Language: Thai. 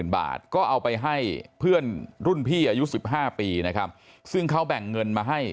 บาทก็เอาไปให้เพื่อนรุ่นพี่อายุ๑๕ปีนะครับซึ่งเขาแบ่งเงินมาให้